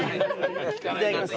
いただきます。